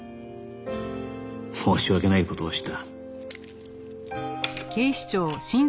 「申し訳ない事をした」